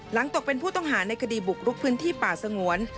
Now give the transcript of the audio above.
ตกเป็นผู้ต้องหาในคดีบุกรุกพื้นที่ป่าสงวน